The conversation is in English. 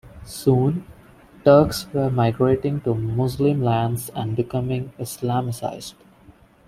Soon, Turks were migrating to Muslim lands and becoming Islamicized.